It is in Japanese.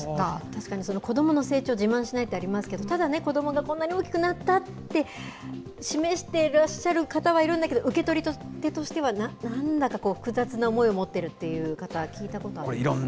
確かに、その子どもの成長を自慢しないってありますけど、ただね、子どもがこんなに大きくなったって示していらっしゃる方はいるんだけど、受け取り手としては、なんだかこう、複雑な思いを持っているという方は聞いたことあります。